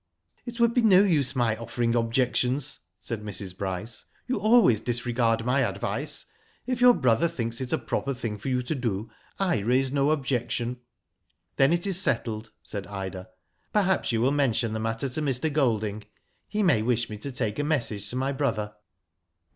*' It would be no use my offering objections," said Mrs. Bryce. *^\o\i always disregard my advice. If your brother thinks it a proper thing for you to do, I raise no objection." " Then it is settled," said Ida. " Perhaps you will mention the matter to Mr. Golding. He may wish me to take a message to my brother."